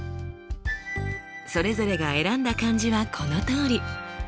それぞれが選んだ漢字はこのとおり。